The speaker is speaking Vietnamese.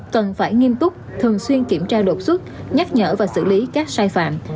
cần phải nghiêm túc thường xuyên kiểm tra đột xuất nhắc nhở và xử lý các sai phạm